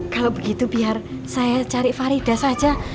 kalau begitu biar saya cari farida saja